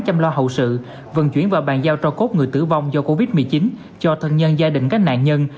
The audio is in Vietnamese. hậu sự vận chuyển và bàn giao trao cốt người tử vong do covid một mươi chín cho thân nhân gia đình các nạn nhân